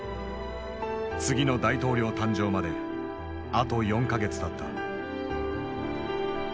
次の大統領誕生まであと４か月だった。